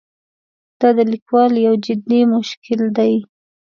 دا د لیکوالو یو جدي مشکل دی.